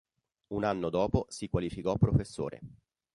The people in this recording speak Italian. Un anno dopo si qualificò professore.